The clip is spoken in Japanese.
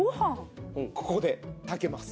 ここで炊けます。